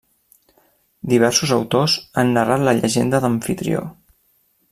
Diversos autors han narrat la llegenda d'Amfitrió.